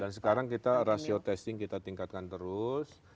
sekarang kita rasio testing kita tingkatkan terus